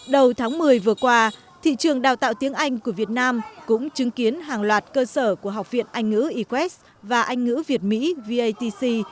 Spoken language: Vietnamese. đầu tháng một mươi vừa qua thị trường đào tạo tiếng anh của việt nam cũng chứng kiến hàng loạt cơ sở của học viện anh ngữ ewas và anh ngữ việt mỹ vatc